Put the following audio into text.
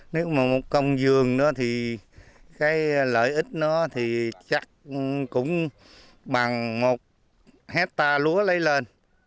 nếu một công vườn thì lợi ích nó chắc cũng bằng một hectare lúa lấy lên